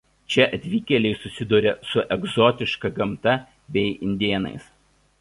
Čia atvykėliai susiduria su egzotiška gamta bei indėnais.